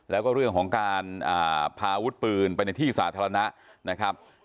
แล้วก็เรื่องของการพาอาวุธปืนไปในที่สาธารณะนะครับ